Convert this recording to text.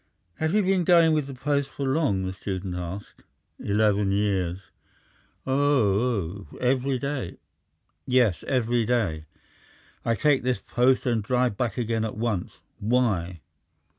"Have you been going with the post for long?" the student asked. "Eleven years." "Oho; every day?" "Yes, every day. I take this post and drive back again at once. Why?"